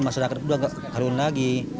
masyarakat sudah tidak kerum lagi